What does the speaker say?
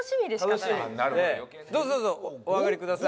どうぞどうぞお上がりください。